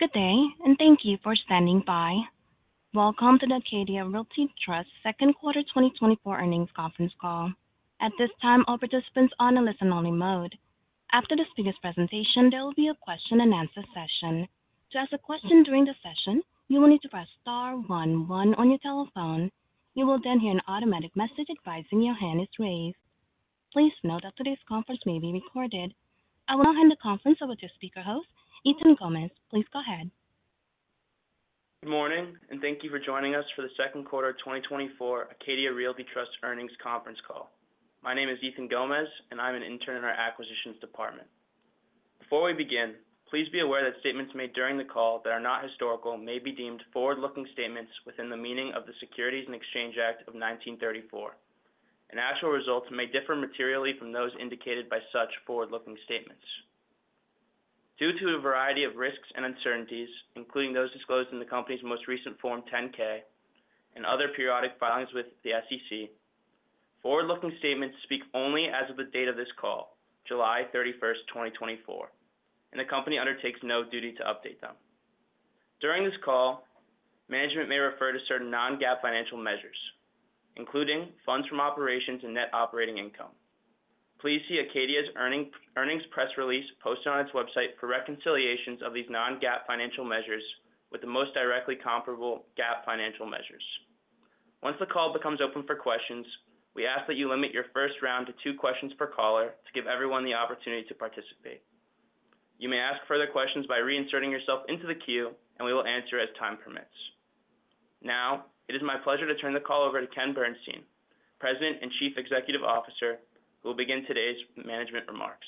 Good day, and thank you for standing by. Welcome to the Acadia Realty Trust second quarter 2024 earnings conference call. At this time, all participants are on a listen-only mode. After the speaker's presentation, there will be a question-and-answer session. To ask a question during the session, you will need to press star one one on your telephone. You will then hear an automatic message advising your hand is raised. Please note that today's conference may be recorded. I will now hand the conference over to speaker host Ethan Gomez. Please go ahead. Good morning, and thank you for joining us for the second quarter 2024 Acadia Realty Trust earnings conference call. My name is Ethan Gomez, and I'm an intern in our acquisitions department. Before we begin, please be aware that statements made during the call that are not historical may be deemed forward-looking statements within the meaning of the Securities and Exchange Act of 1934. Actual results may differ materially from those indicated by such forward-looking statements. Due to a variety of risks and uncertainties, including those disclosed in the company's most recent Form 10-K and other periodic filings with the SEC, forward-looking statements speak only as of the date of this call, July 31st, 2024, and the company undertakes no duty to update them. During this call, management may refer to certain non-GAAP financial measures, including funds from operations and net operating income. Please see Acadia's earnings press release posted on its website for reconciliations of these non-GAAP financial measures with the most directly comparable GAAP financial measures. Once the call becomes open for questions, we ask that you limit your first round to two questions per caller to give everyone the opportunity to participate. You may ask further questions by reinserting yourself into the queue, and we will answer as time permits. Now, it is my pleasure to turn the call over to Ken Bernstein, President and Chief Executive Officer, who will begin today's management remarks.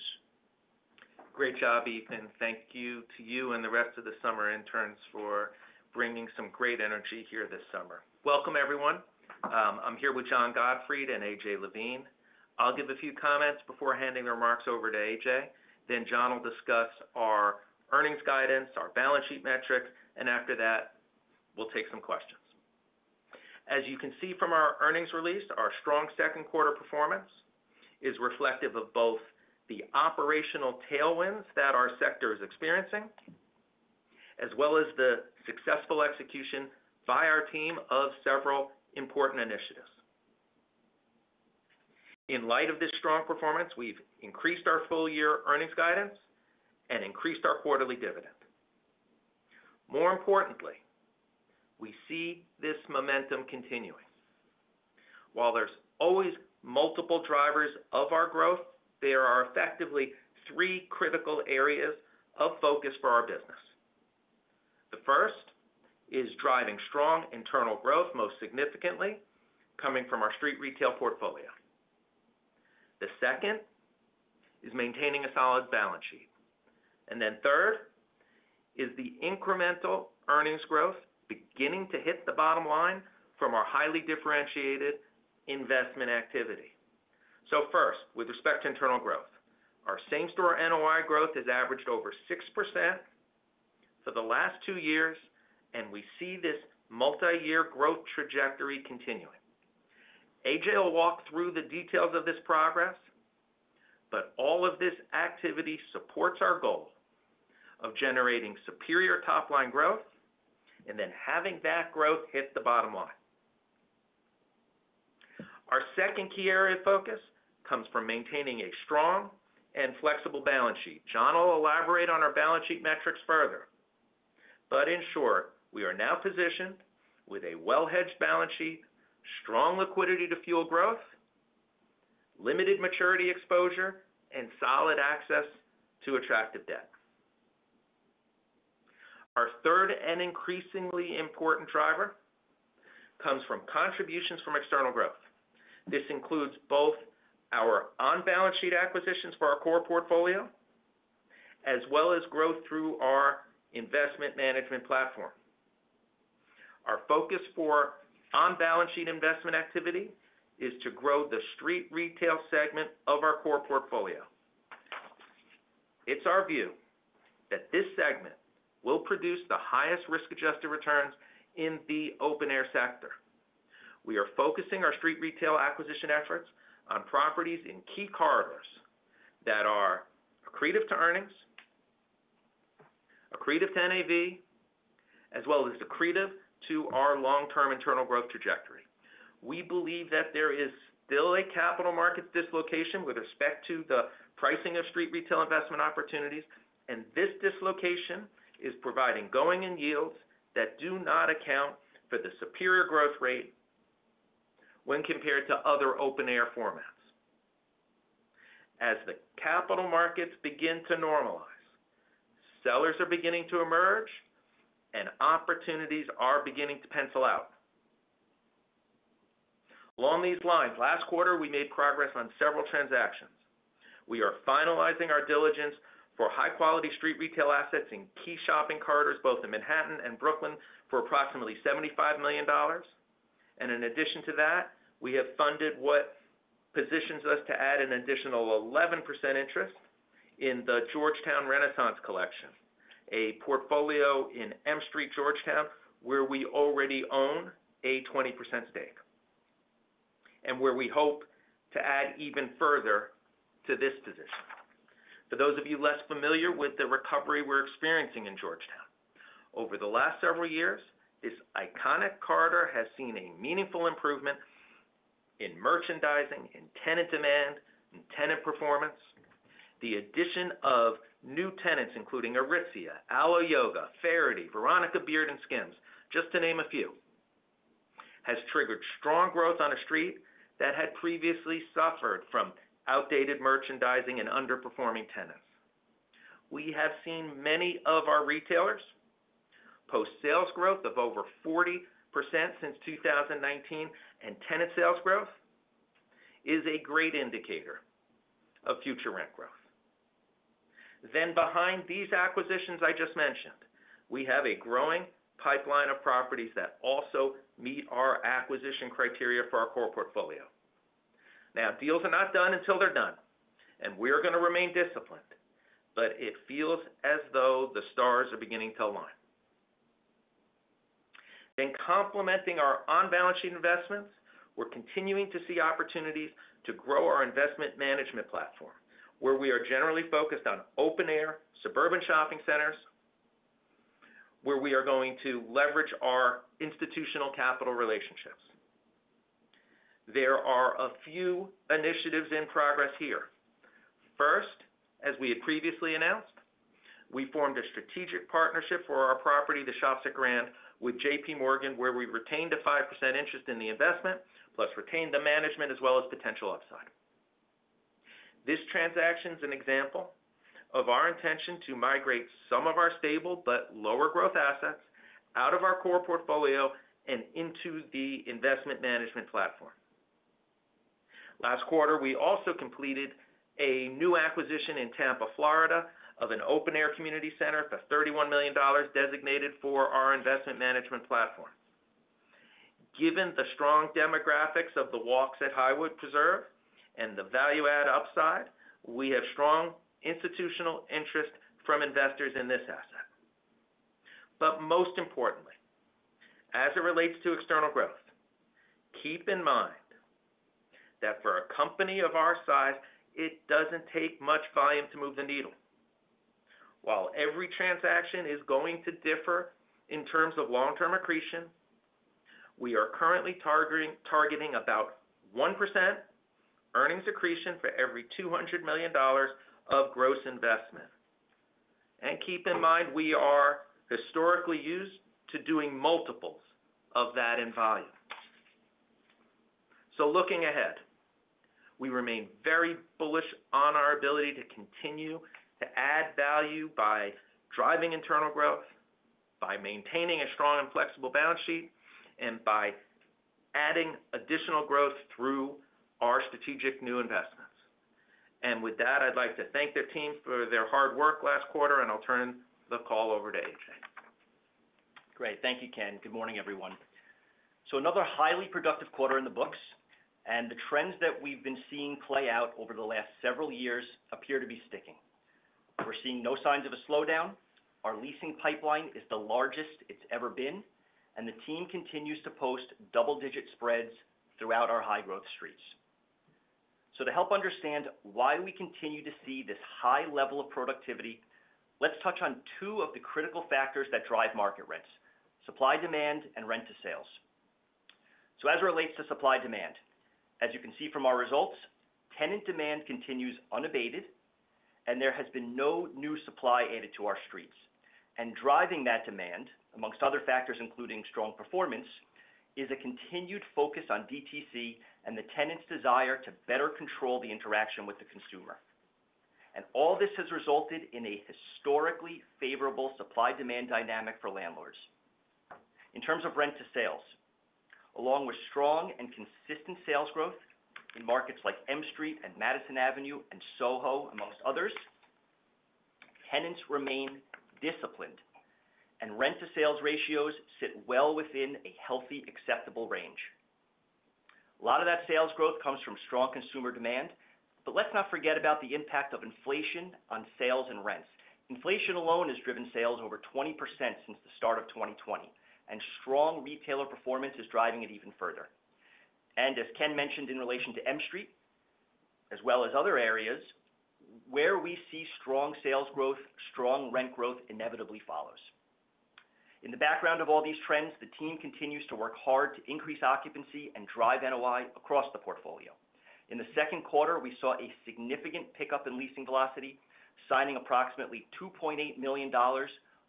Great job, Ethan. Thank you to you and the rest of the summer interns for bringing some great energy here this summer. Welcome, everyone. I'm here with John Gottfried and A.J. Levine. I'll give a few comments before handing the remarks over to A.J. Then John will discuss our earnings guidance, our balance sheet metrics, and after that, we'll take some questions. As you can see from our earnings release, our strong second quarter performance is reflective of both the operational tailwinds that our sector is experiencing, as well as the successful execution by our team of several important initiatives. In light of this strong performance, we've increased our full-year earnings guidance and increased our quarterly dividend. More importantly, we see this momentum continuing. While there's always multiple drivers of our growth, there are effectively three critical areas of focus for our business. The first is driving strong internal growth, most significantly coming from our street retail portfolio. The second is maintaining a solid balance sheet. And then third is the incremental earnings growth beginning to hit the bottom line from our highly differentiated investment activity. So first, with respect to internal growth, our Same-Store NOI growth has averaged over 6% for the last two years, and we see this multi-year growth trajectory continuing. A.J. will walk through the details of this progress, but all of this activity supports our goal of generating superior top-line growth and then having that growth hit the bottom line. Our second key area of focus comes from maintaining a strong and flexible balance sheet. John will elaborate on our balance sheet metrics further, but in short, we are now positioned with a well-hedged balance sheet, strong liquidity to fuel growth, limited maturity exposure, and solid access to attractive debt. Our third and increasingly important driver comes from contributions from external growth. This includes both our on-balance sheet acquisitions for our core portfolio as well as growth through our investment management platform. Our focus for on-balance sheet investment activity is to grow the street retail segment of our core portfolio. It's our view that this segment will produce the highest risk-adjusted returns in the open-air sector. We are focusing our street retail acquisition efforts on properties in key corridors that are accretive to earnings, accretive to NAV, as well as accretive to our long-term internal growth trajectory. We believe that there is still a capital markets dislocation with respect to the pricing of street retail investment opportunities, and this dislocation is providing going-in yields that do not account for the superior growth rate when compared to other open-air formats. As the capital markets begin to normalize, sellers are beginning to emerge, and opportunities are beginning to pencil out. Along these lines, last quarter, we made progress on several transactions. We are finalizing our diligence for high-quality street retail assets in key shopping corridors both in Manhattan and Brooklyn for approximately $75 million. In addition to that, we have funded what positions us to add an additional 11% interest in the Georgetown Renaissance Collection, a portfolio in M Street Georgetown where we already own a 20% stake and where we hope to add even further to this position. For those of you less familiar with the recovery we're experiencing in Georgetown, over the last several years, this iconic corridor has seen a meaningful improvement in merchandising, in tenant demand, in tenant performance. The addition of new tenants, including Aritzia, Alo Yoga, Faherty, Veronica Beard, and Skims, just to name a few, has triggered strong growth on a street that had previously suffered from outdated merchandising and underperforming tenants. We have seen many of our retailers post sales growth of over 40% since 2019, and tenant sales growth is a great indicator of future rent growth. Then behind these acquisitions I just mentioned, we have a growing pipeline of properties that also meet our acquisition criteria for our core portfolio. Now, deals are not done until they're done, and we're going to remain disciplined, but it feels as though the stars are beginning to align. Then complementing our on-balance sheet investments, we're continuing to see opportunities to grow our investment management platform where we are generally focused on open-air suburban shopping centers, where we are going to leverage our institutional capital relationships. There are a few initiatives in progress here. First, as we had previously announced, we formed a strategic partnership for our property, The Shops at Grand, with J.P. Morgan, where we retained a 5% interest in the investment, plus retained the management as well as potential upside. This transaction is an example of our intention to migrate some of our stable but lower-growth assets out of our core portfolio and into the investment management platform. Last quarter, we also completed a new acquisition in Tampa, Florida, of an open-air community center for $31 million designated for our investment management platform. Given the strong demographics of The Walk at Highwoods Preserve and the value-add upside, we have strong institutional interest from investors in this asset. But most importantly, as it relates to external growth, keep in mind that for a company of our size, it doesn't take much volume to move the needle. While every transaction is going to differ in terms of long-term accretion, we are currently targeting about 1% earnings accretion for every $200 million of gross investment. Keep in mind, we are historically used to doing multiples of that in volume. Looking ahead, we remain very bullish on our ability to continue to add value by driving internal growth, by maintaining a strong and flexible balance sheet, and by adding additional growth through our strategic new investments. With that, I'd like to thank the team for their hard work last quarter, and I'll turn the call over to A.J. Great. Thank you, Ken. Good morning, everyone. So another highly productive quarter in the books, and the trends that we've been seeing play out over the last several years appear to be sticking. We're seeing no signs of a slowdown. Our leasing pipeline is the largest it's ever been, and the team continues to post double-digit spreads throughout our high-growth streets. To help understand why we continue to see this high level of productivity, let's touch on two of the critical factors that drive market rents: supply demand and rent to sales. As it relates to supply demand, as you can see from our results, tenant demand continues unabated, and there has been no new supply added to our streets. Driving that demand, among other factors including strong performance, is a continued focus on DTC and the tenant's desire to better control the interaction with the consumer. All this has resulted in a historically favorable supply-demand dynamic for landlords. In terms of rent to sales, along with strong and consistent sales growth in markets like M Street and Madison Avenue and SoHo, among others, tenants remain disciplined, and rent-to-sales ratios sit well within a healthy, acceptable range. A lot of that sales growth comes from strong consumer demand, but let's not forget about the impact of inflation on sales and rents. Inflation alone has driven sales over 20% since the start of 2020, and strong retailer performance is driving it even further. And as Ken mentioned in relation to M Street, as well as other areas, where we see strong sales growth, strong rent growth inevitably follows. In the background of all these trends, the team continues to work hard to increase occupancy and drive NOI across the portfolio. In the second quarter, we saw a significant pickup in leasing velocity, signing approximately $2.8 million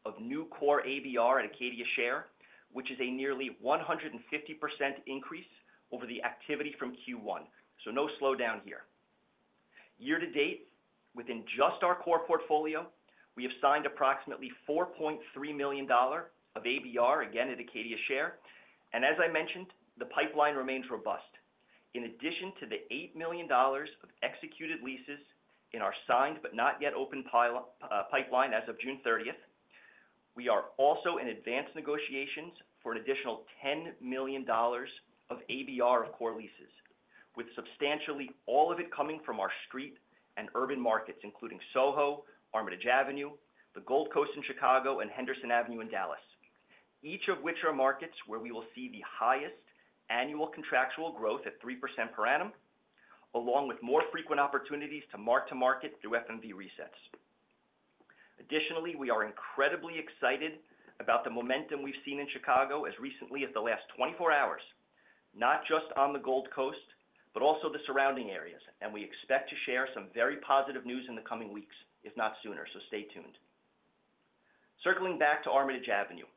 of new core ABR at Acadia share, which is a nearly 150% increase over the activity from Q1. So no slowdown here. Year to date, within just our core portfolio, we have signed approximately $4.3 million of ABR, again at Acadia share. And as I mentioned, the pipeline remains robust. In addition to the $8 million of executed leases in our signed but not yet open pipeline as of June 30th, we are also in advanced negotiations for an additional $10 million of ABR of core leases, with substantially all of it coming from our street and urban markets, including SoHo, Armitage Avenue, the Gold Coast in Chicago, and Henderson Avenue in Dallas, each of which are markets where we will see the highest annual contractual growth at 3% per annum, along with more frequent opportunities to mark-to-market through FMV resets. Additionally, we are incredibly excited about the momentum we've seen in Chicago as recently as the last 24 hours, not just on the Gold Coast, but also the surrounding areas. We expect to share some very positive news in the coming weeks, if not sooner, so stay tuned. Circling back to Armitage Avenue,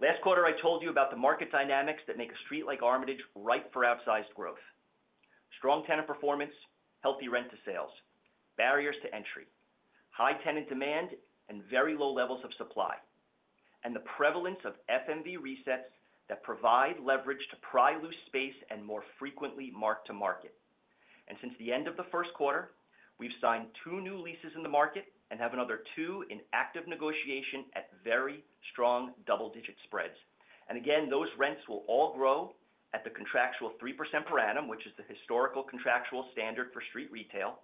last quarter, I told you about the market dynamics that make a street like Armitage ripe for outsized growth: strong tenant performance, healthy rent-to-sales, barriers to entry, high tenant demand, and very low levels of supply, and the prevalence of FMV resets that provide leverage to pry loose space and more frequently mark-to-market. And since the end of the first quarter, we've signed two new leases in the market and have another two in active negotiation at very strong double-digit spreads. And again, those rents will all grow at the contractual 3% per annum, which is the historical contractual standard for street retail,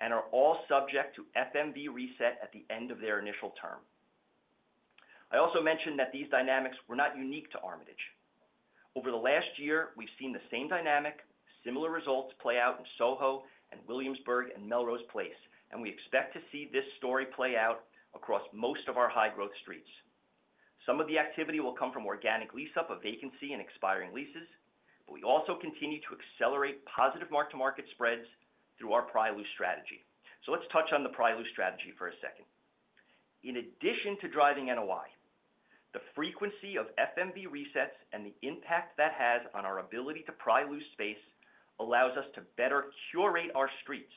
and are all subject to FMV reset at the end of their initial term. I also mentioned that these dynamics were not unique to Armitage. Over the last year, we've seen the same dynamic, similar results play out in SoHo, and Williamsburg, and Melrose Place, and we expect to see this story play out across most of our high-growth streets. Some of the activity will come from organic lease-up of vacancy and expiring leases, but we also continue to accelerate positive mark-to-market spreads through our pry loose strategy. So let's touch on the pry loose strategy for a second. In addition to driving NOI, the frequency of FMV resets and the impact that has on our ability to pry loose space allows us to better curate our streets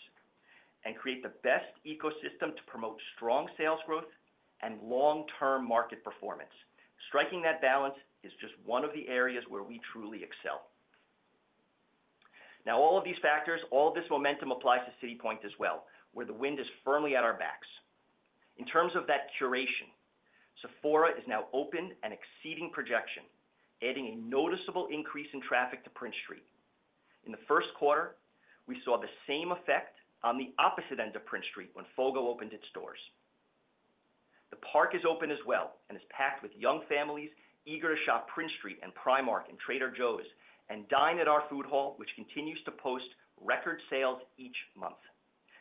and create the best ecosystem to promote strong sales growth and long-term market performance. Striking that balance is just one of the areas where we truly excel. Now, all of these factors, all of this momentum applies to City Point as well, where the wind is firmly at our backs. In terms of that curation, Sephora is now open and exceeding projection, adding a noticeable increase in traffic to Prince Street. In the first quarter, we saw the same effect on the opposite end of Prince Street when Fogo opened its doors. The park is open as well and is packed with young families eager to shop Prince Street and Primark and Trader Joe's and dine at our food hall, which continues to post record sales each month.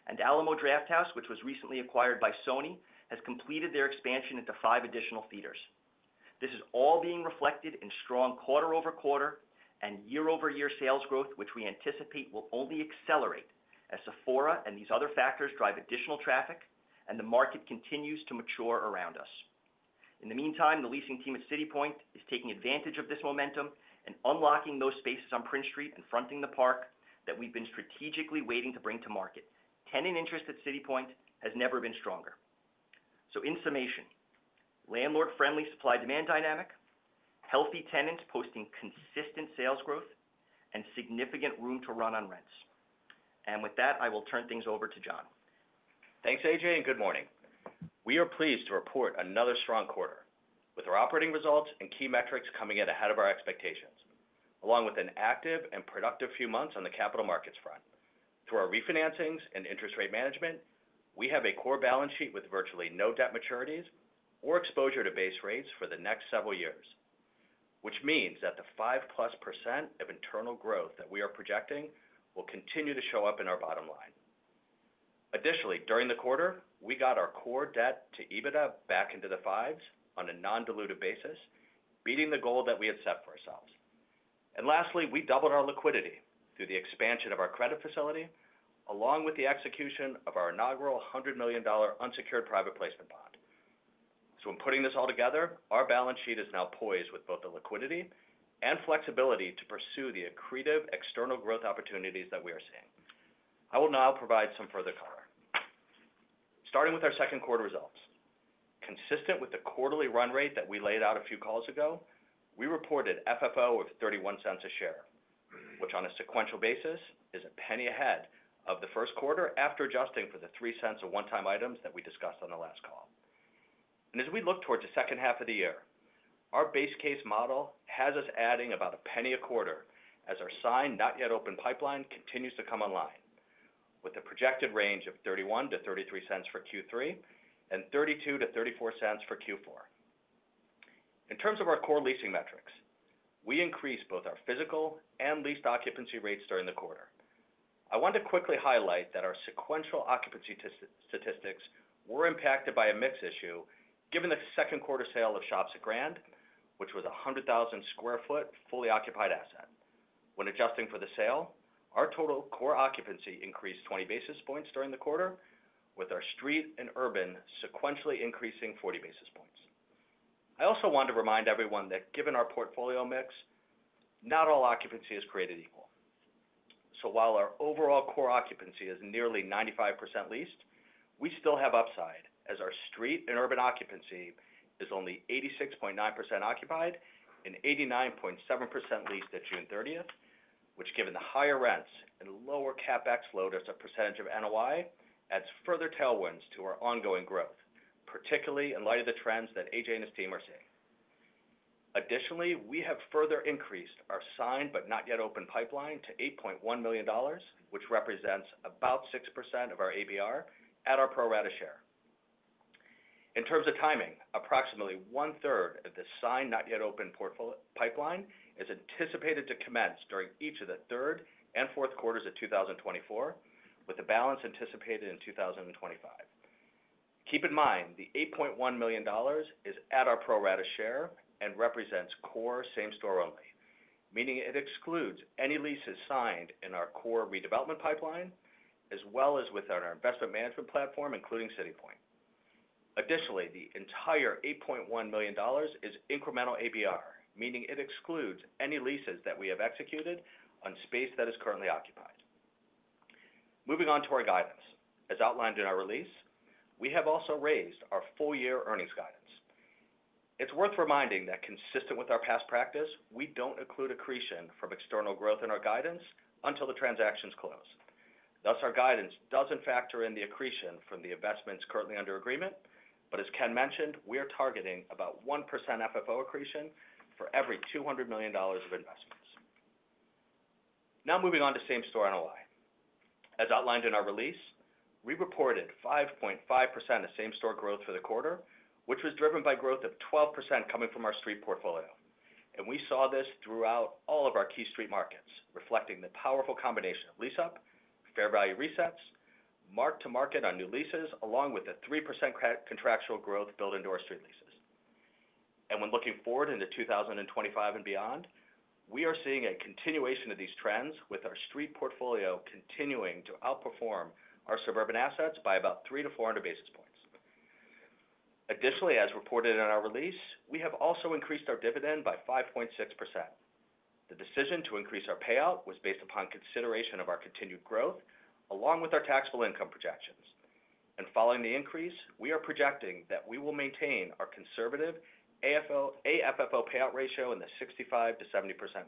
And Alamo Drafthouse, which was recently acquired by Sony, has completed their expansion into five additional theaters. This is all being reflected in strong quarter-over-quarter and year-over-year sales growth, which we anticipate will only accelerate as Sephora and these other factors drive additional traffic and the market continues to mature around us. In the meantime, the leasing team at City Point is taking advantage of this momentum and unlocking those spaces on Prince Street and fronting the park that we've been strategically waiting to bring to market. Tenant interest at City Point has never been stronger. So in summation, landlord-friendly supply-demand dynamic, healthy tenants posting consistent sales growth, and significant room to run on rents. And with that, I will turn things over to John. Thanks, A.J., and good morning. We are pleased to report another strong quarter with our operating results and key metrics coming in ahead of our expectations, along with an active and productive few months on the capital markets front. Through our refinancings and interest rate management, we have a core balance sheet with virtually no debt maturities or exposure to base rates for the next several years, which means that the 5+% of internal growth that we are projecting will continue to show up in our bottom line. Additionally, during the quarter, we got our core debt to EBITDA back into the fives on a non-diluted basis, beating the goal that we had set for ourselves. And lastly, we doubled our liquidity through the expansion of our credit facility, along with the execution of our inaugural $100 million unsecured private placement bond. In putting this all together, our balance sheet is now poised with both the liquidity and flexibility to pursue the accretive external growth opportunities that we are seeing. I will now provide some further color. Starting with our second quarter results, consistent with the quarterly run rate that we laid out a few calls ago, we reported FFO of $0.31 a share, which on a sequential basis is a penny ahead of the first quarter after adjusting for the $0.03 of one-time items that we discussed on the last call. As we look towards the second half of the year, our base case model has us adding about a penny a quarter as our signed not-yet-open pipeline continues to come online, with a projected range of $0.31-$0.33 for Q3 and $0.32-$0.34 for Q4. In terms of our core leasing metrics, we increased both our physical and leased occupancy rates during the quarter. I want to quickly highlight that our sequential occupancy statistics were impacted by a mixed issue given the second quarter sale of The Shops at Grand, which was a 100,000 sq ft fully occupied asset. When adjusting for the sale, our total core occupancy increased 20 basis points during the quarter, with our street and urban sequentially increasing 40 basis points. I also want to remind everyone that given our portfolio mix, not all occupancy is created equal. So while our overall core occupancy is nearly 95% leased, we still have upside as our street and urban occupancy is only 86.9% occupied and 89.7% leased at June 30th, which, given the higher rents and lower CapEx load as a percentage of NOI, adds further tailwinds to our ongoing growth, particularly in light of the trends that A.J. and his team are seeing. Additionally, we have further increased our signed but not-yet-open pipeline to $8.1 million, which represents about 6% of our ABR at our pro rata share. In terms of timing, approximately one-third of the signed not-yet-open pipeline is anticipated to commence during each of the third and fourth quarters of 2024, with the balance anticipated in 2025. Keep in mind, the $8.1 million is at our pro rata share and represents core same-store only, meaning it excludes any leases signed in our core redevelopment pipeline, as well as within our investment management platform, including City Point. Additionally, the entire $8.1 million is incremental ABR, meaning it excludes any leases that we have executed on space that is currently occupied. Moving on to our guidance, as outlined in our release, we have also raised our full-year earnings guidance. It's worth reminding that, consistent with our past practice, we don't include accretion from external growth in our guidance until the transactions close. Thus, our guidance doesn't factor in the accretion from the investments currently under agreement, but as Ken mentioned, we are targeting about 1% FFO accretion for every $200 million of investments. Now, moving on to same-store NOI. As outlined in our release, we reported 5.5% of same-store growth for the quarter, which was driven by growth of 12% coming from our street portfolio. We saw this throughout all of our key street markets, reflecting the powerful combination of lease-up, fair value resets, mark-to-market on new leases, along with the 3% contractual growth built into our street leases. When looking forward into 2025 and beyond, we are seeing a continuation of these trends, with our street portfolio continuing to outperform our suburban assets by about 300-400 basis points. Additionally, as reported in our release, we have also increased our dividend by 5.6%. The decision to increase our payout was based upon consideration of our continued growth, along with our taxable income projections. Following the increase, we are projecting that we will maintain our conservative AFFO payout ratio in the 65%-70% range.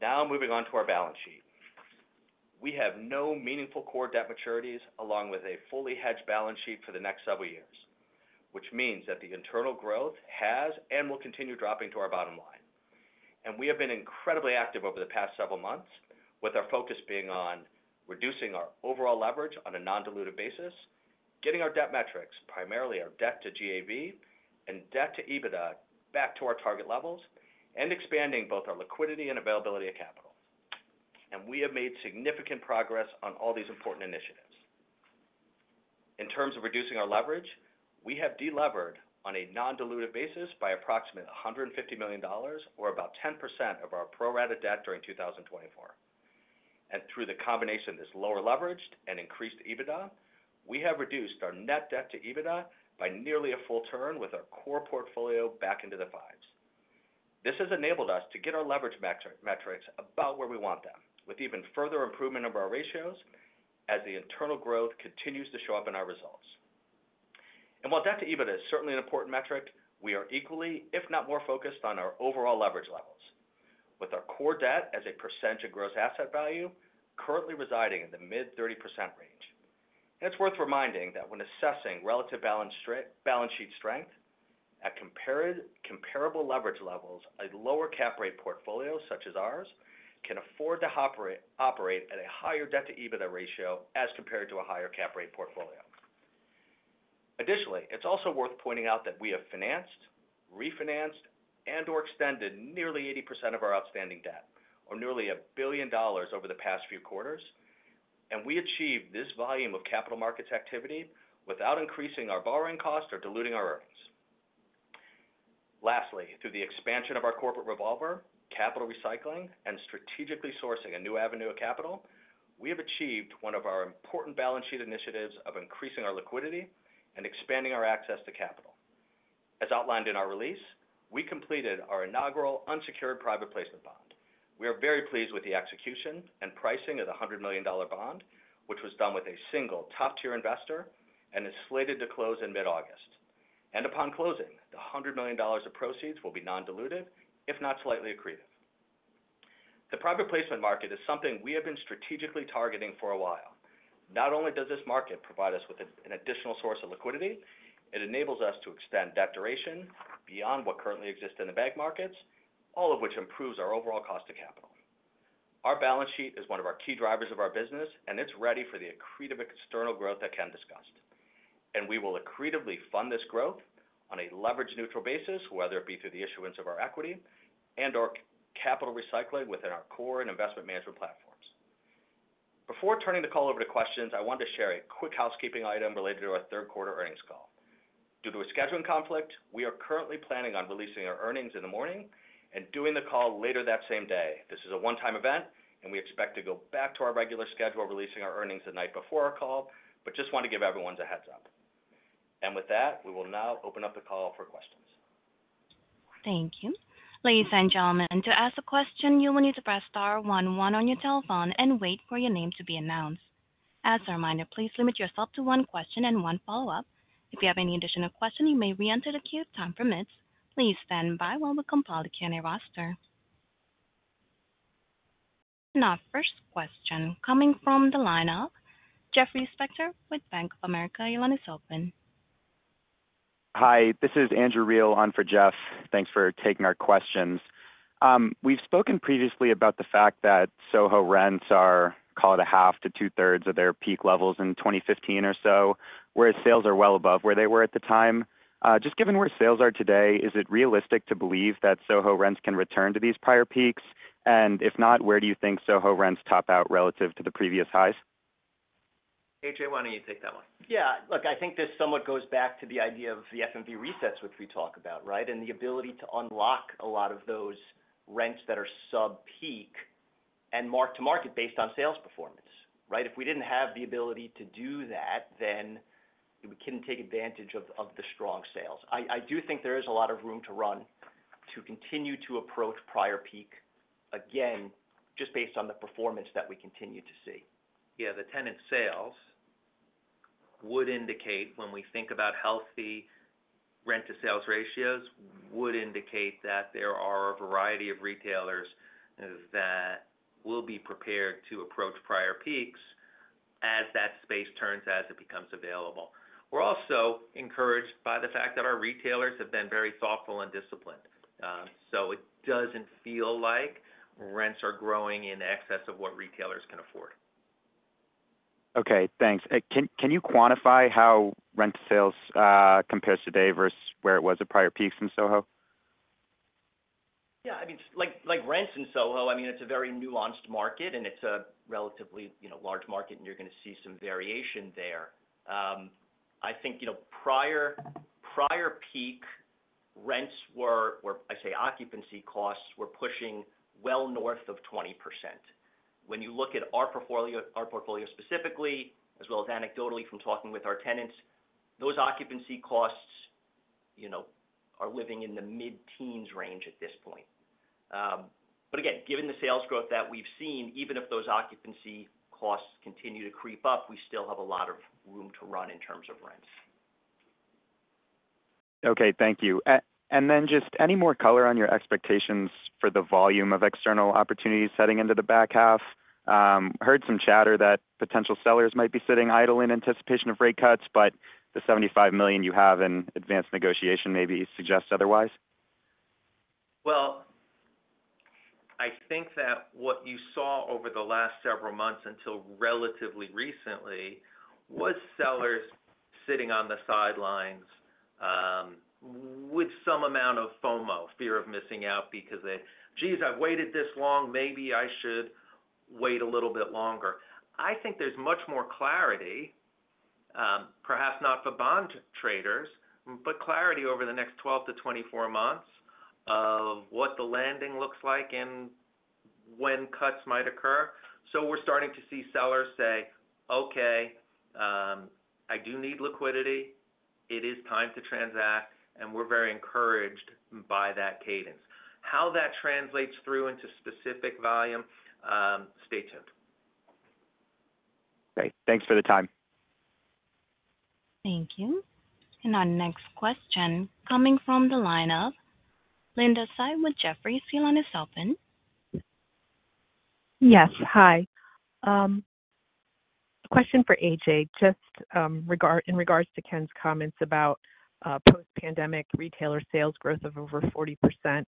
Now, moving on to our balance sheet, we have no meaningful core debt maturities, along with a fully hedged balance sheet for the next several years, which means that the internal growth has and will continue dropping to our bottom line. We have been incredibly active over the past several months, with our focus being on reducing our overall leverage on a non-diluted basis, getting our debt metrics, primarily our debt to GAV and debt to EBITDA, back to our target levels, and expanding both our liquidity and availability of capital. We have made significant progress on all these important initiatives. In terms of reducing our leverage, we have delevered on a non-diluted basis by approximately $150 million, or about 10% of our pro rata debt during 2024. Through the combination of this lower leveraged and increased EBITDA, we have reduced our net debt to EBITDA by nearly a full turn, with our core portfolio back into the fives. This has enabled us to get our leverage metrics about where we want them, with even further improvement of our ratios as the internal growth continues to show up in our results. While debt to EBITDA is certainly an important metric, we are equally, if not more, focused on our overall leverage levels, with our core debt as a percentage of gross asset value currently residing in the mid-30% range. It's worth reminding that when assessing relative balance sheet strength at comparable leverage levels, a lower cap rate portfolio such as ours can afford to operate at a higher debt to EBITDA ratio as compared to a higher cap rate portfolio. Additionally, it's also worth pointing out that we have financed, refinanced, and/or extended nearly 80% of our outstanding debt, or nearly $1 billion over the past few quarters, and we achieved this volume of capital markets activity without increasing our borrowing cost or diluting our earnings. Lastly, through the expansion of our corporate revolver, capital recycling, and strategically sourcing a new avenue of capital, we have achieved one of our important balance sheet initiatives of increasing our liquidity and expanding our access to capital. As outlined in our release, we completed our inaugural unsecured private placement bond. We are very pleased with the execution and pricing of the $100 million bond, which was done with a single top-tier investor and is slated to close in mid-August. Upon closing, the $100 million of proceeds will be non-diluted, if not slightly accretive. The private placement market is something we have been strategically targeting for a while. Not only does this market provide us with an additional source of liquidity, it enables us to extend debt duration beyond what currently exists in the bank markets, all of which improves our overall cost of capital. Our balance sheet is one of our key drivers of our business, and it's ready for the accretive external growth that Ken discussed. And we will accretively fund this growth on a leverage-neutral basis, whether it be through the issuance of our equity and/or capital recycling within our core and investment management platforms. Before turning the call over to questions, I want to share a quick housekeeping item related to our third quarter earnings call. Due to a scheduling conflict, we are currently planning on releasing our earnings in the morning and doing the call later that same day. This is a one-time event, and we expect to go back to our regular schedule of releasing our earnings the night before our call, but just want to give everyone a heads-up. With that, we will now open up the call for questions. Thank you. Ladies and gentlemen, to ask a question, you will need to press star 11 on your telephone and wait for your name to be announced. As a reminder, please limit yourself to one question and one follow-up. If you have any additional questions, you may re-enter the queue if time permits. Please stand by while we compile the Q&A roster. Now, first question coming from the lineup, Jeffrey Spector with Bank of America, your line is open. Hi, this is Andrew Reale on for Jeff. Thanks for taking our questions. We've spoken previously about the fact that SoHo rents are, call it a half to two-thirds of their peak levels in 2015 or so, whereas sales are well above where they were at the time. Just given where sales are today, is it realistic to believe that SoHo rents can return to these prior peaks? And if not, where do you think SoHo rents top out relative to the previous highs? A.J., why don't you take that one? Yeah, look, I think this somewhat goes back to the idea of the FMV resets which we talk about, right, and the ability to unlock a lot of those rents that are sub-peak and mark-to-market based on sales performance, right? If we didn't have the ability to do that, then we couldn't take advantage of the strong sales. I do think there is a lot of room to run to continue to approach prior peak again, just based on the performance that we continue to see. Yeah, the tenant sales would indicate, when we think about healthy rent-to-sales ratios, would indicate that there are a variety of retailers that will be prepared to approach prior peaks as that space turns as it becomes available. We're also encouraged by the fact that our retailers have been very thoughtful and disciplined, so it doesn't feel like rents are growing in excess of what retailers can afford. Okay, thanks. Can you quantify how rent sales compares today versus where it was at prior peaks in SoHo? Yeah, I mean, like rents in SoHo, I mean, it's a very nuanced market, and it's a relatively large market, and you're going to see some variation there. I think prior peak rents were, I say, occupancy costs were pushing well north of 20%. When you look at our portfolio specifically, as well as anecdotally from talking with our tenants, those occupancy costs are living in the mid-teens range at this point. But again, given the sales growth that we've seen, even if those occupancy costs continue to creep up, we still have a lot of room to run in terms of rents. Okay, thank you. And then just any more color on your expectations for the volume of external opportunities heading into the back half? Heard some chatter that potential sellers might be sitting idle in anticipation of rate cuts, but the $75 million you have in advanced negotiation maybe suggests otherwise. Well, I think that what you saw over the last several months until relatively recently was sellers sitting on the sidelines with some amount of FOMO, fear of missing out, because they, "Geez, I've waited this long. Maybe I should wait a little bit longer." I think there's much more clarity, perhaps not for bond traders, but clarity over the next 12-24 months of what the landing looks like and when cuts might occur. So we're starting to see sellers say, "Okay, I do need liquidity. It is time to transact," and we're very encouraged by that cadence. How that translates through into specific volume, stay tuned. Great. Thanks for the time. Thank you. Our next question coming from the lineup, Linda Tsai with Jefferies on is open. Yes, hi. Question for A.J., just in regards to Ken's comments about post-pandemic retailer sales growth of over 40%.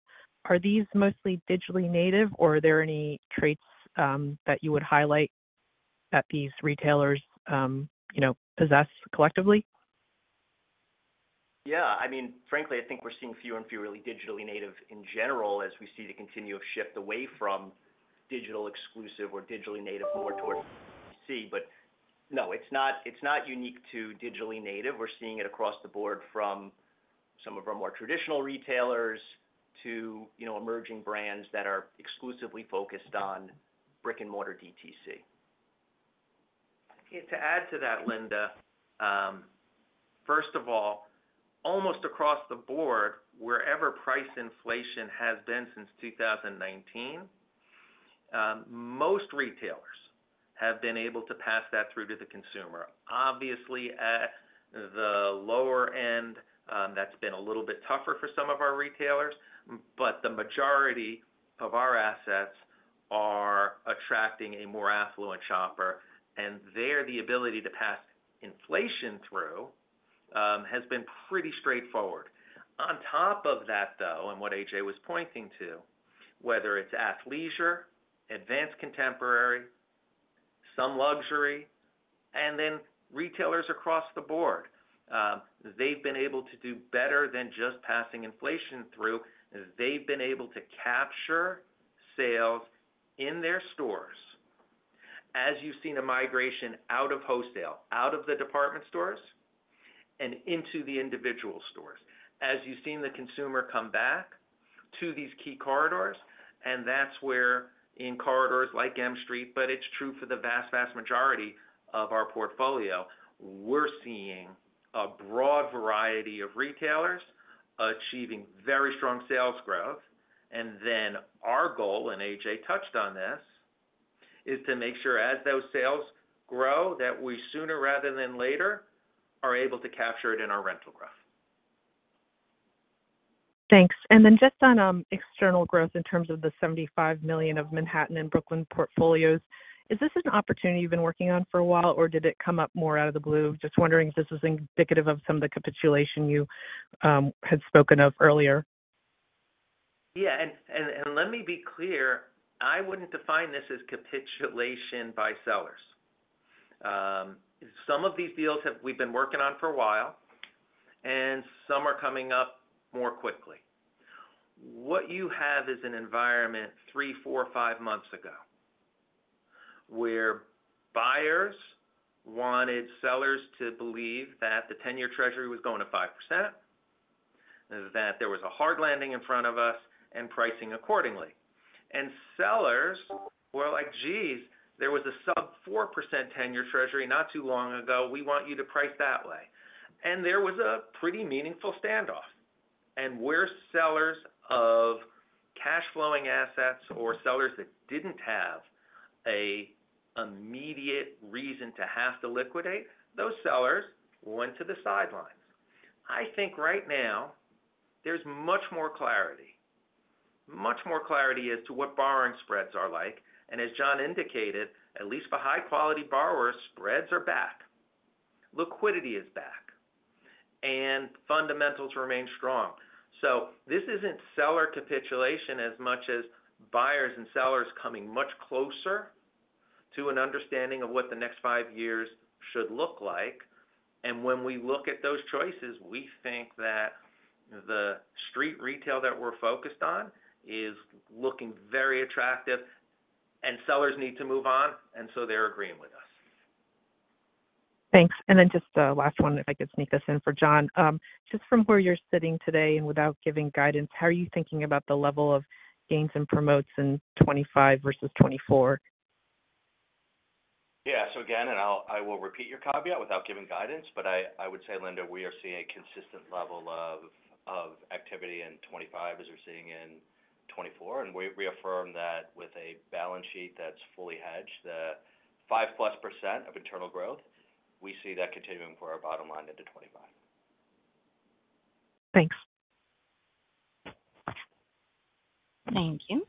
Are these mostly digitally native, or are there any traits that you would highlight that these retailers possess collectively? Yeah, I mean, frankly, I think we're seeing fewer and fewer really digitally native in general as we see the continued shift away from digital exclusive or digitally native more towards DTC. But no, it's not unique to digitally native. We're seeing it across the board from some of our more traditional retailers to emerging brands that are exclusively focused on brick-and-mortar DTC. To add to that, Linda, first of all, almost across the board, wherever price inflation has been since 2019, most retailers have been able to pass that through to the consumer. Obviously, at the lower end, that's been a little bit tougher for some of our retailers, but the majority of our assets are attracting a more affluent shopper, and there the ability to pass inflation through has been pretty straightforward. On top of that, though, and what A.J. was pointing to, whether it's athleisure, advanced contemporary, some luxury, and then retailers across the board, they've been able to do better than just passing inflation through. They've been able to capture sales in their stores, as you've seen a migration out of wholesale, out of the department stores, and into the individual stores, as you've seen the consumer come back to these key corridors. And that's where in corridors like M Street, but it's true for the vast, vast majority of our portfolio, we're seeing a broad variety of retailers achieving very strong sales growth. And then our goal, and A.J. touched on this, is to make sure as those sales grow that we sooner rather than later are able to capture it in our rental growth. Thanks. And then just on external growth in terms of the $75 million of Manhattan and Brooklyn portfolios, is this an opportunity you've been working on for a while, or did it come up more out of the blue? Just wondering if this was indicative of some of the capitulation you had spoken of earlier. Yeah, and let me be clear. I wouldn't define this as capitulation by sellers. Some of these deals we've been working on for a while, and some are coming up more quickly. What you have is an environment 3, 4, 5 months ago where buyers wanted sellers to believe that the 10-year Treasury was going to 5%, that there was a hard landing in front of us, and pricing accordingly. And sellers were like, "Geez, there was a sub-4% 10-year Treasury not too long ago. We want you to price that way." And there was a pretty meaningful standoff. And where sellers of cash-flowing assets or sellers that didn't have an immediate reason to have to liquidate, those sellers went to the sidelines. I think right now there's much more clarity, much more clarity as to what borrowing spreads are like. And as John indicated, at least for high-quality borrowers, spreads are back. Liquidity is back, and fundamentals remain strong. So this isn't seller capitulation as much as buyers and sellers coming much closer to an understanding of what the next five years should look like. And when we look at those choices, we think that the street retail that we're focused on is looking very attractive, and sellers need to move on, and so they're agreeing with us. Thanks. And then just the last one, if I could sneak this in for John, just from where you're sitting today and without giving guidance, how are you thinking about the level of gains and promotes in 2025 versus 2024? Yeah, so again, and I will repeat your caveat without giving guidance, but I would say, Linda, we are seeing a consistent level of activity in 2025 as we're seeing in 2024. And we reaffirm that with a balance sheet that's fully hedged, the 5+% of internal growth, we see that continuing for our bottom line into 2025. Thanks. Thank you.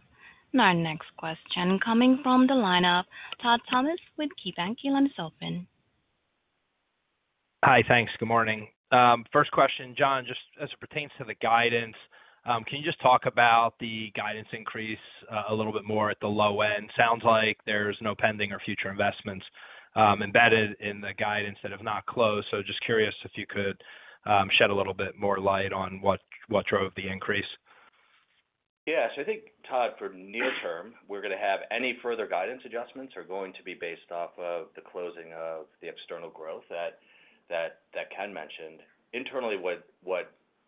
Now, our next question coming from the lineup, Todd Thomas with KeyBanc Capital Markets. Your line is open. Hi, thanks. Good morning. First question, John, just as it pertains to the guidance, can you just talk about the guidance increase a little bit more at the low end? Sounds like there's no pending or future investments embedded in the guidance that have not closed. So just curious if you could shed a little bit more light on what drove the increase. Yeah, so I think, Todd, for near-term, we're going to have any further guidance adjustments are going to be based off of the closing of the external growth that Ken mentioned. Internally,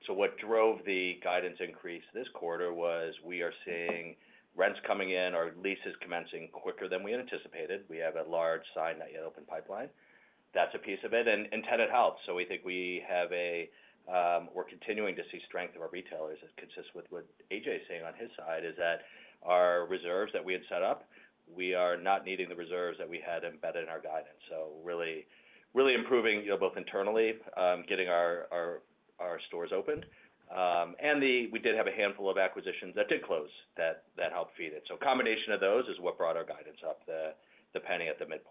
so what drove the guidance increase this quarter was we are seeing rents coming in or leases commencing quicker than we anticipated. We have a large signed but yet open pipeline. That's a piece of it, and tenant health. So we think we have a—we're continuing to see strength of our retailers. It is consistent with what A.J. is saying on his side, that our reserves that we had set up, we are not needing the reserves that we had embedded in our guidance. So really improving both internally, getting our stores opened. And we did have a handful of acquisitions that did close that helped feed it. So a combination of those is what brought our guidance up, the penny at the midpoint.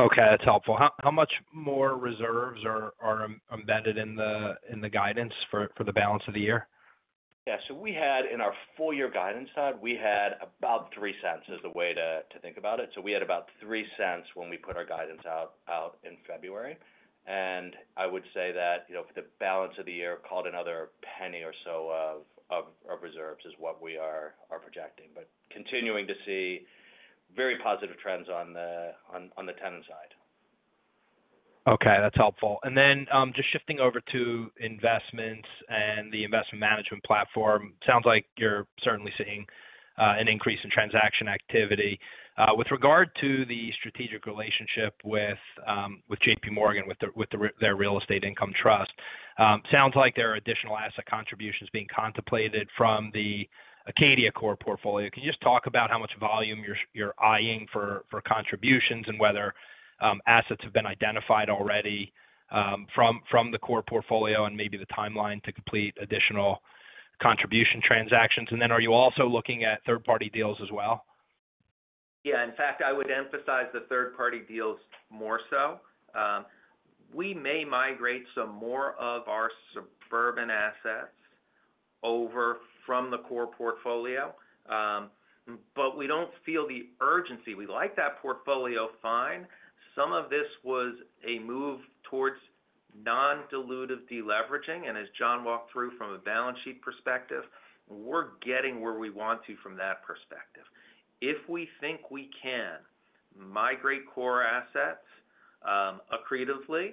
Okay, that's helpful. How much more reserves are embedded in the guidance for the balance of the year? Yeah, so we had in our full-year guidance side, we had about $0.03 as a way to think about it. So we had about $0.03 when we put our guidance out in February. And I would say that for the balance of the year, called another $0.01 or so of reserves is what we are projecting, but continuing to see very positive trends on the tenant side. Okay, that's helpful. And then just shifting over to investments and the investment management platform, sounds like you're certainly seeing an increase in transaction activity. With regard to the strategic relationship with J.P. Morgan, with their real estate income trust, sounds like there are additional asset contributions being contemplated from the Acadia core portfolio. Can you just talk about how much volume you're eyeing for contributions and whether assets have been identified already from the core portfolio and maybe the timeline to complete additional contribution transactions? And then are you also looking at third-party deals as well? Yeah, in fact, I would emphasize the third-party deals more so. We may migrate some more of our suburban assets over from the core portfolio, but we don't feel the urgency. We like that portfolio fine. Some of this was a move towards non-dilutive deleveraging. And as John walked through from a balance sheet perspective, we're getting where we want to from that perspective. If we think we can migrate core assets accretively,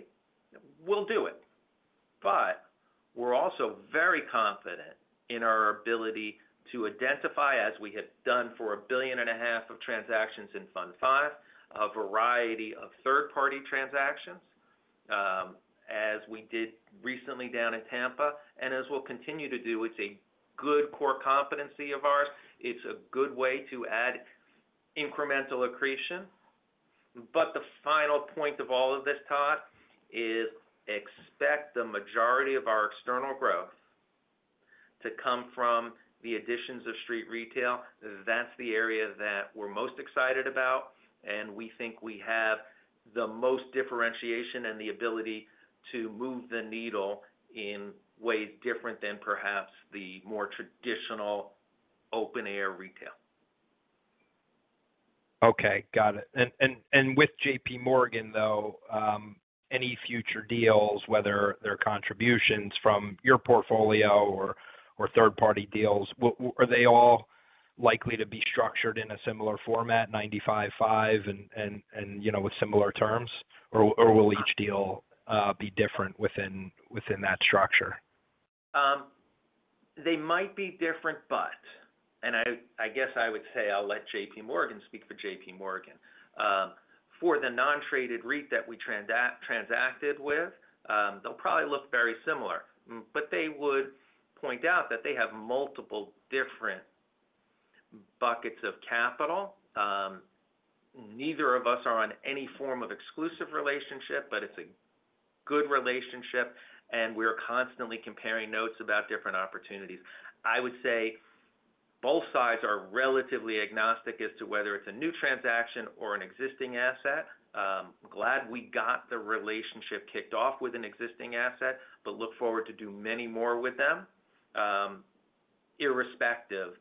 we'll do it. But we're also very confident in our ability to identify, as we have done for $1.5 billion of transactions in Fund 5, a variety of third-party transactions as we did recently down in Tampa and as we'll continue to do. It's a good core competency of ours. It's a good way to add incremental accretion. But the final point of all of this, Todd, is expect the majority of our external growth to come from the additions of street retail. That's the area that we're most excited about, and we think we have the most differentiation and the ability to move the needle in ways different than perhaps the more traditional open-air retail. Okay, got it. With J.P. Morgan, though, any future deals, whether they're contributions from your portfolio or third-party deals, are they all likely to be structured in a similar format, 95/5 and with similar terms, or will each deal be different within that structure? They might be different, but, and I guess I would say I'll let J.P. Morgan speak for J.P. Morgan. For the non-traded REIT that we transacted with, they'll probably look very similar, but they would point out that they have multiple different buckets of capital. Neither of us are on any form of exclusive relationship, but it's a good relationship, and we're constantly comparing notes about different opportunities. I would say both sides are relatively agnostic as to whether it's a new transaction or an existing asset. I'm glad we got the relationship kicked off with an existing asset, but look forward to doing many more with them, irrespective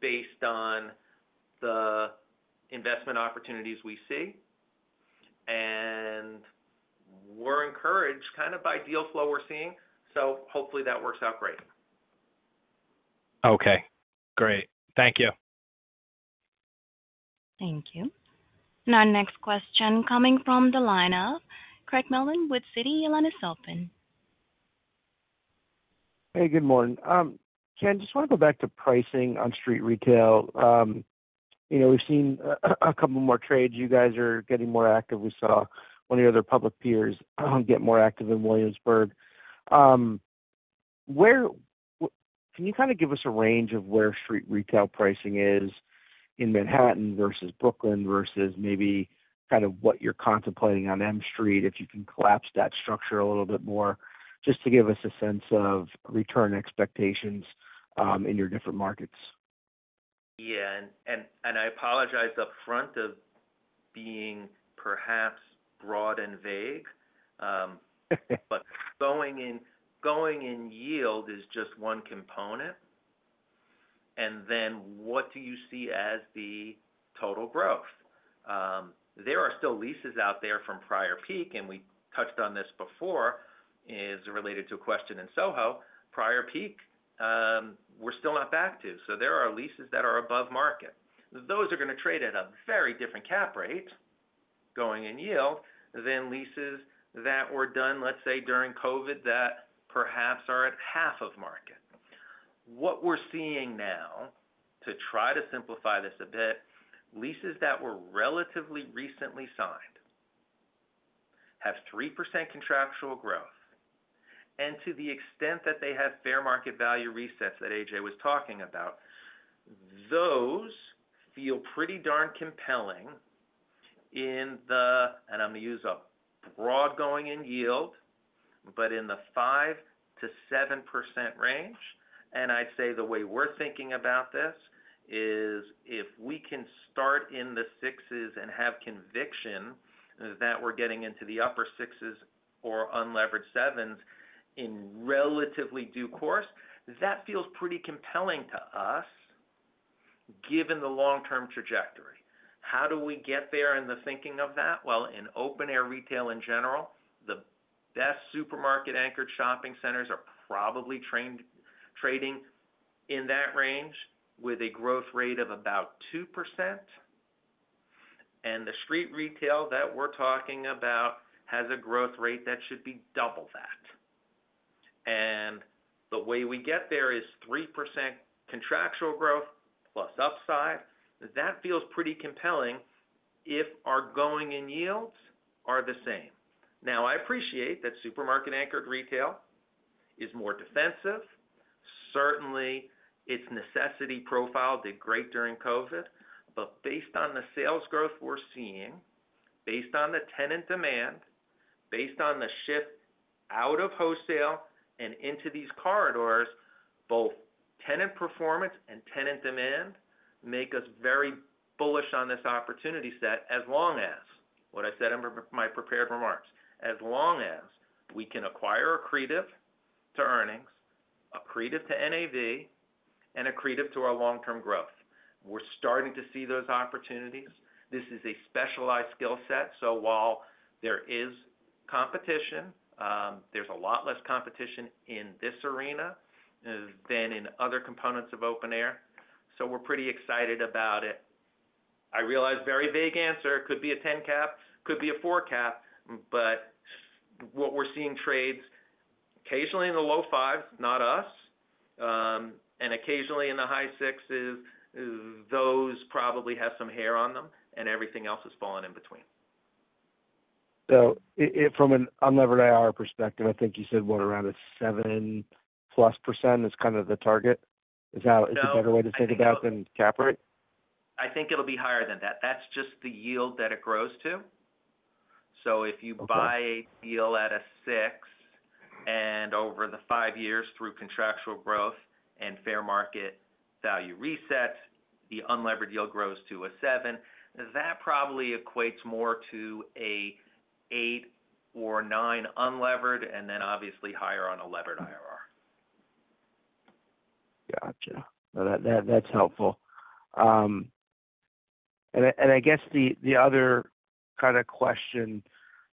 based on the investment opportunities we see. And we're encouraged kind of by deal flow we're seeing, so hopefully that works out great. Okay, great. Thank you. Thank you. Now, next question coming from the lineup, Craig Mailman, Citi, line is open. Hey, good morning. Ken, just want to go back to pricing on street retail. We've seen a couple more trades. You guys are getting more active. We saw one of your other public peers get more active in Williamsburg. Can you kind of give us a range of where street retail pricing is in Manhattan versus Brooklyn versus maybe kind of what you're contemplating on M Street if you can collapse that structure a little bit more just to give us a sense of return expectations in your different markets? Yeah, and I apologize upfront of being perhaps broad and vague, but going in yield is just one component. And then what do you see as the total growth? There are still leases out there from prior peak, and we touched on this before as related to a question in SoHo. Prior peak, we're still not back to. So there are leases that are above market. Those are going to trade at a very different cap rate going in yield than leases that were done, let's say, during COVID that perhaps are at half of market. What we're seeing now, to try to simplify this a bit, leases that were relatively recently signed have 3% contractual growth. And to the extent that they have fair market value resets that A.J. was talking about, those feel pretty darn compelling in the and I'm going to use a broad going in yield but in the 5%-7% range. And I'd say the way we're thinking about this is if we can start in the 6s and have conviction that we're getting into the upper 6s or unleveraged 7s in relatively due course, that feels pretty compelling to us given the long-term trajectory. How do we get there in the thinking of that? Well, in open-air retail in general, the best supermarket-anchored shopping centers are probably trading in that range with a growth rate of about 2%. And the street retail that we're talking about has a growth rate that should be double that. And the way we get there is 3% contractual growth plus upside. That feels pretty compelling if our going in yields are the same. Now, I appreciate that supermarket-anchored retail is more defensive. Certainly, its necessity profile did great during COVID. But based on the sales growth we're seeing, based on the tenant demand, based on the shift out of wholesale and into these corridors, both tenant performance and tenant demand make us very bullish on this opportunity set as long as (what I said in my prepared remarks) as long as we can acquire accretive to earnings, accretive to NAV, and accretive to our long-term growth. We're starting to see those opportunities. This is a specialized skill set. So while there is competition, there's a lot less competition in this arena than in other components of open-air. So we're pretty excited about it. I realize very vague answer. It could be a 10 cap, could be a 4 cap, but what we're seeing trades occasionally in the low 5s, not us, and occasionally in the high 6s, those probably have some hair on them, and everything else has fallen in between. So from an unleveraged IRR perspective, I think you said what, around a 7+% is kind of the target. Is that a better way to think about than cap rate? I think it'll be higher than that. That's just the yield that it grows to. So if you buy a deal at a six and over the five years through contractual growth and fair market value resets, the unleveraged yield grows to a seven. That probably equates more to an eight or nine unleveraged and then obviously higher on a levered IRR. Gotcha. That's helpful. And I guess the other kind of question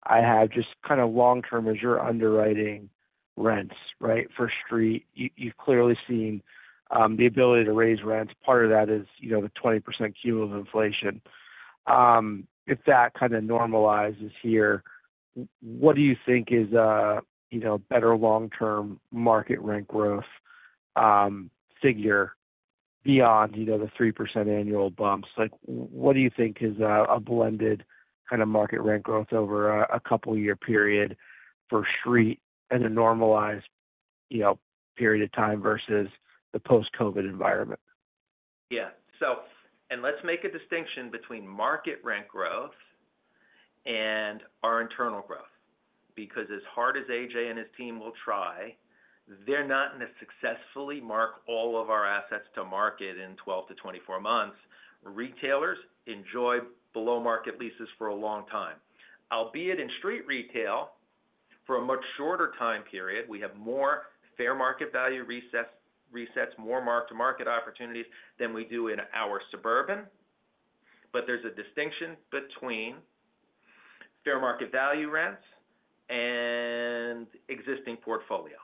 I have, just kind of long-term as you're underwriting rents, right, for street, you've clearly seen the ability to raise rents. Part of that is the 20% due to inflation. If that kind of normalizes here, what do you think is a better long-term market rent growth figure beyond the 3% annual bumps? What do you think is a blended kind of market rent growth over a couple-year period for street in a normalized period of time versus the post-COVID environment? Yeah. And let's make a distinction between market rent growth and our internal growth. Because as hard as A.J. and his team will try, they're not going to successfully mark all of our assets to market in 12-24 months. Retailers enjoy below-market leases for a long time. Albeit in street retail, for a much shorter time period, we have more fair market value resets, more mark-to-market opportunities than we do in our suburban. But there's a distinction between fair market value rents and existing portfolio.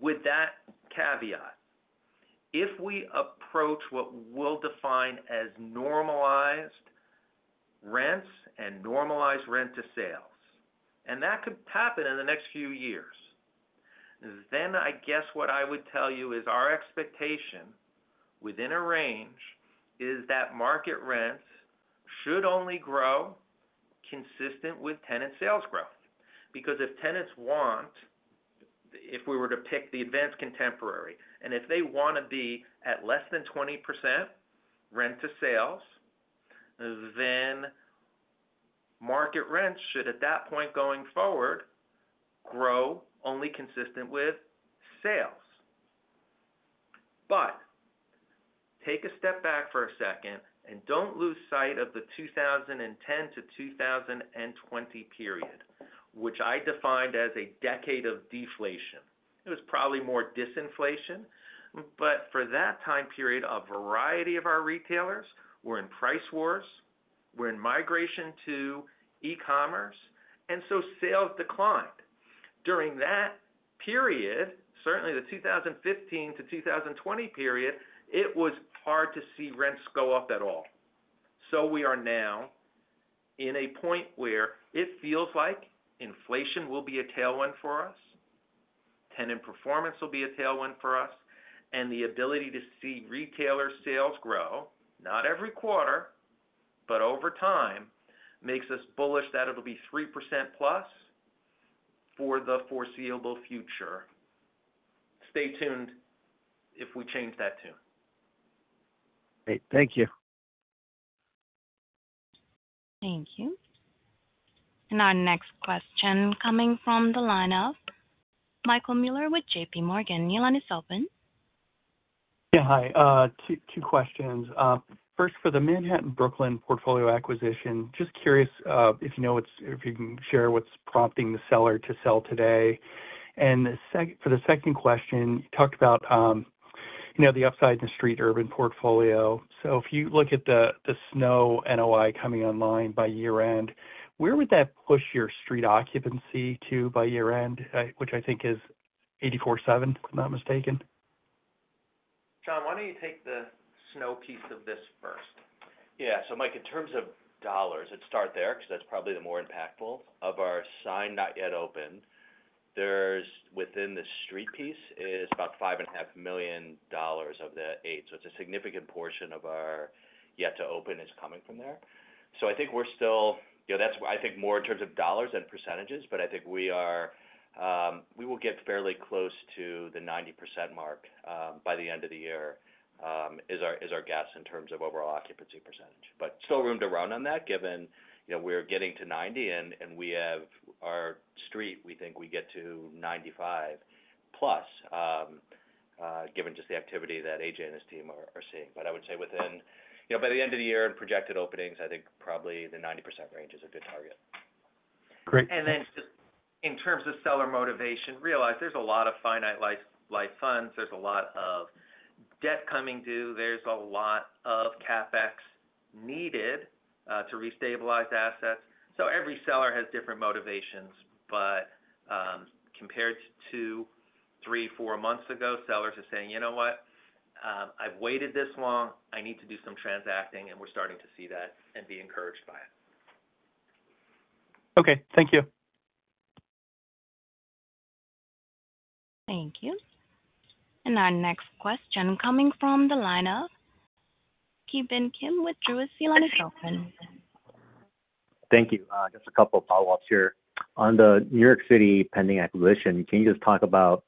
With that caveat, if we approach what we'll define as normalized rents and normalized rent to sales, and that could happen in the next few years, then I guess what I would tell you is our expectation within a range is that market rents should only grow consistent with tenant sales growth. Because if tenants want-if we were to pick the advanced contemporary-and if they want to be at less than 20% rent to sales, then market rents should, at that point going forward, grow only consistent with sales. But take a step back for a second and don't lose sight of the 2010 to 2020 period, which I defined as a decade of deflation. It was probably more disinflation, but for that time period, a variety of our retailers were in price wars. We're in migration to e-commerce, and so sales declined. During that period, certainly the 2015-2020 period, it was hard to see rents go up at all. We are now in a point where it feels like inflation will be a tailwind for us, tenant performance will be a tailwind for us, and the ability to see retailer sales grow, not every quarter, but over time, makes us bullish that it'll be 3+% for the foreseeable future. Stay tuned if we change that tune. Great. Thank you. Thank you. Now, next question coming from the lineup, Michael Mueller with J.P. Morgan. Line is open. Yeah, hi. Two questions. First, for the Manhattan-Brooklyn portfolio acquisition, just curious if you know if you can share what's prompting the seller to sell today. And for the second question, you talked about the upside in the street urban portfolio. So if you look at the same-store NOI coming online by year-end, where would that push your street occupancy to by year-end, which I think is 84.7%, if I'm not mistaken? John, why don't you take the NOI piece of this first? Yeah. So Mike, in terms of dollars, let's start there because that's probably the more impactful of our signed not yet open. Within the street piece is about $5.5 million of the 8. So it's a significant portion of our yet to open is coming from there. So I think we're still. I think more in terms of dollars than percentages, but I think we will get fairly close to the 90% mark by the end of the year as our guess in terms of overall occupancy percentage. But still room to run on that given we're getting to 90%, and we have our street, we think we get to 95+, given just the activity that A.J. and his team are seeing. But I would say by the end of the year and projected openings, I think probably the 90% range is a good target. And then just in terms of seller motivation, realize there's a lot of finite life funds. There's a lot of debt coming due. There's a lot of CapEx needed to re-stabilize assets. So every seller has different motivations. But compared to three, four months ago, sellers are saying, "You know what? I've waited this long. I need to do some transacting," and we're starting to see that and be encouraged by it. Okay. Thank you. Thank you. And now, next question coming from the lineup, Ki Bin Kim with Truist. Line is open. Thank you. Just a couple of follow-ups here. On the New York City pending acquisition, can you just talk about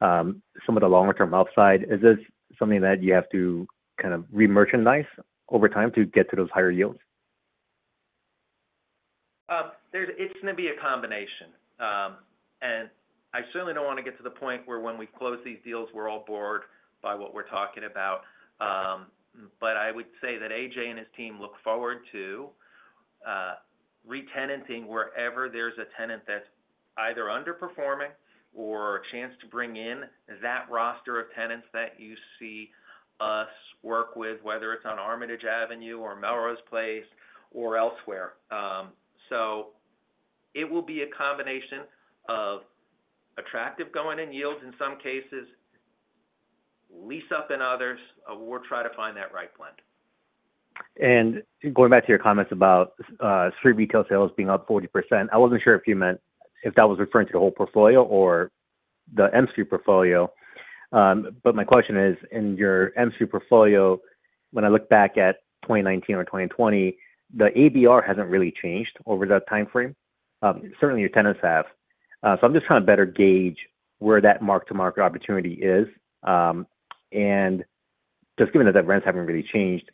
some of the longer-term upside? Is this something that you have to kind of re-merchandise over time to get to those higher yields? It's going to be a combination. I certainly don't want to get to the point where when we close these deals, we're all bored by what we're talking about. I would say that A.J. and his team look forward to retenanting wherever there's a tenant that's either underperforming or a chance to bring in that roster of tenants that you see us work with, whether it's on Armitage Avenue or Melrose Place or elsewhere. It will be a combination of attractive going in yields in some cases, lease up in others. We'll try to find that right blend. Going back to your comments about street retail sales being up 40%, I wasn't sure if you meant if that was referring to the whole portfolio or the M Street portfolio. My question is, in your M Street portfolio, when I look back at 2019 or 2020, the ABR hasn't really changed over that time frame. Certainly, your tenants have. I'm just trying to better gauge where that mark-to-market opportunity is. Just given that that rent hasn't really changed,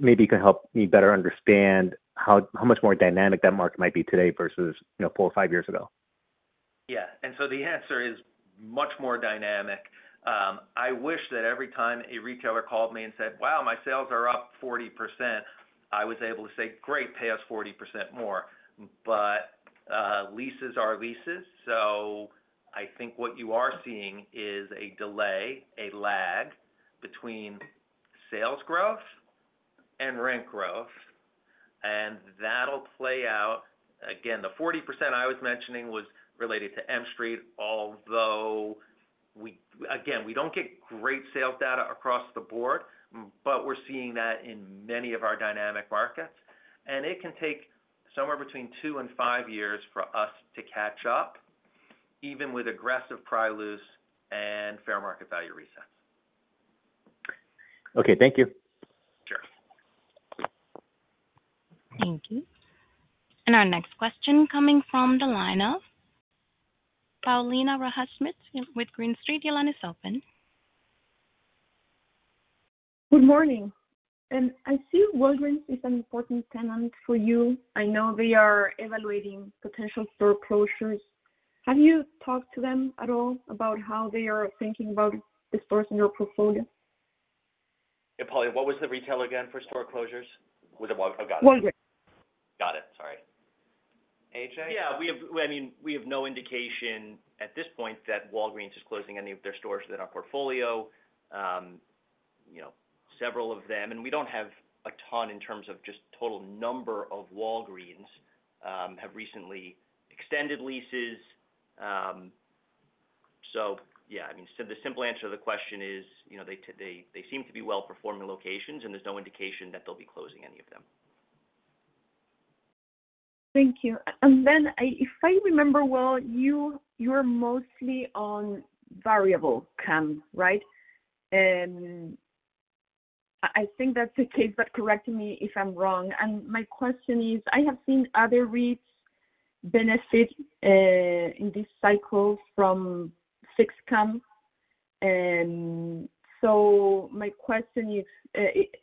maybe you can help me better understand how much more dynamic that market might be today versus four or five years ago. Yeah. And so the answer is much more dynamic. I wish that every time a retailer called me and said, "Wow, my sales are up 40%," I was able to say, "Great, pay us 40% more." But leases are leases. So I think what you are seeing is a delay, a lag between sales growth and rent growth. And that'll play out. Again, the 40% I was mentioning was related to M Street, although, again, we don't get great sales data across the board, but we're seeing that in many of our dynamic markets. And it can take somewhere between 2 and 5 years for us to catch up, even with aggressive price loops and fair market value resets. Okay. Thank you. Sure. Thank you. Our next question coming from the lineup, Paulina Rojas Schmidt with Green Street. Your line is open. Good morning. I see Walgreens is an important tenant for you. I know they are evaluating potential store closures. Have you talked to them at all about how they are thinking about the stores in your portfolio? Yeah, Paulina, what was the retail again for store closures? I got it. Walgreens. Got it. Sorry. A.J.? Yeah. I mean, we have no indication at this point that Walgreens is closing any of their stores in our portfolio. Several of them. And we don't have a ton in terms of just total number of Walgreens have recently extended leases. So yeah, I mean, the simple answer to the question is they seem to be well-performing locations, and there's no indication that they'll be closing any of them. Thank you. And then, if I remember well, you are mostly on variable CAM, right? I think that's the case, but correct me if I'm wrong. And my question is, I have seen other REITs benefit in this cycle from fixed CAM. So my question is,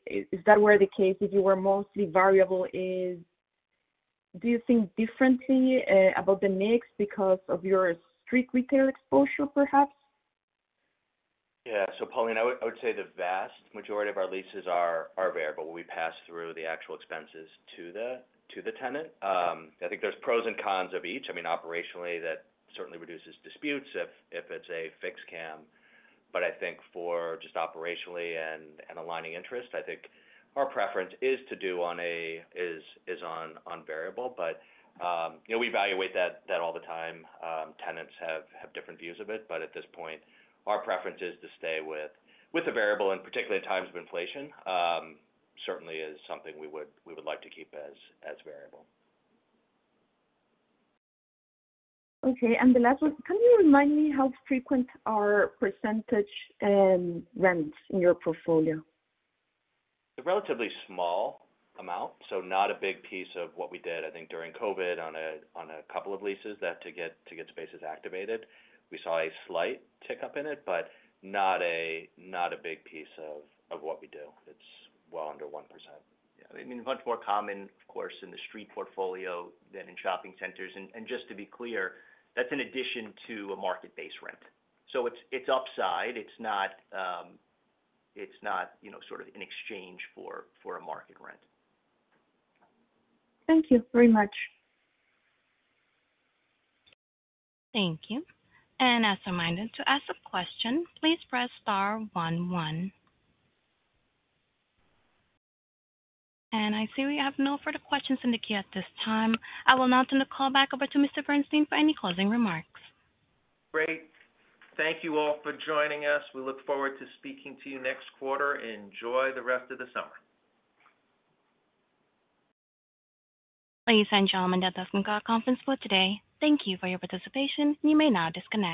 is that where the case if you were mostly variable is, do you think differently about the mix because of your street retail exposure, perhaps? Yeah. So Paulina, I would say the vast majority of our leases are variable. We pass through the actual expenses to the tenant. I think there's pros and cons of each. I mean, operationally, that certainly reduces disputes if it's a fixed CAM. But I think for just operationally and aligning interest, I think our preference is to do on a variable. But we evaluate that all the time. Tenants have different views of it. But at this point, our preference is to stay with a variable. And particularly in times of inflation, certainly is something we would like to keep as variable. Okay. And the last one, can you remind me how frequent are percentage rents in your portfolio? A relatively small amount. So not a big piece of what we did, I think, during COVID on a couple of leases that to get spaces activated. We saw a slight tick up in it, but not a big piece of what we do. It's well under 1%. Yeah. I mean, much more common, of course, in the street portfolio than in shopping centers. Just to be clear, that's in addition to a market-based rent. It's upside. It's not sort of in exchange for a market rent. Thank you very much. Thank you. And as a reminder to ask a question, please press star 11. I see we have no further questions in the queue at this time. I will now turn the call back over to Mr. Bernstein for any closing remarks. Great. Thank you all for joining us. We look forward to speaking to you next quarter. Enjoy the rest of the summer. Ladies and gentlemen, that does conclude our conference for today. Thank you for your participation. You may now disconnect.